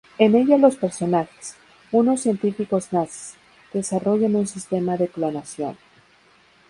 En ella los personajes, unos científicos nazis, desarrollan un sistema de clonación.